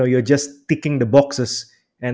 anda hanya memotong kotak